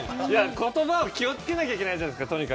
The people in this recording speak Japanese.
言葉を気を付けなきゃいけないじゃないですか。